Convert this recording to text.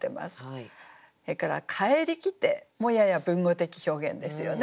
それから「帰りきて」もやや文語的表現ですよね。